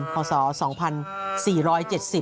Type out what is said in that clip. พศ๒๔๗๐